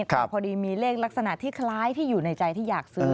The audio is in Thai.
แต่พอดีมีเลขลักษณะที่คล้ายที่อยู่ในใจที่อยากซื้อ